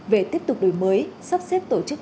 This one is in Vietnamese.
về tiếp tục đổi mới sắp xếp tổ chức